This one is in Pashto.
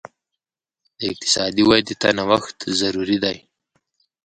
د اقتصاد ودې ته نوښت ضروري دی.